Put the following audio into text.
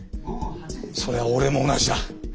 それは俺も同じだ。